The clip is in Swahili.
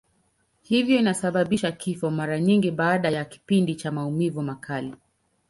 Hivyo inasababisha kifo, mara nyingi baada ya kipindi cha maumivu makali.